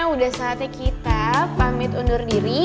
udah saatnya kita pamit undur diri